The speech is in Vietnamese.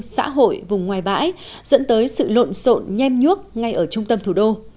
xã hội vùng ngoài bãi dẫn tới sự lộn xộn nhem nhuốc ngay ở trung tâm thủ đô